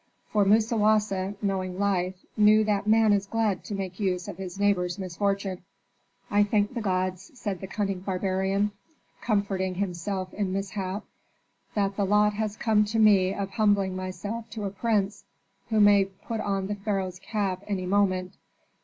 For Musawasa knowing life, knew that man is glad to make use of his neighbor's misfortune. "I thank the gods," said the cunning barbarian, comforting himself in mishap, "that the lot has come to me of humbling myself to a prince who may put on the pharaoh's cap any moment.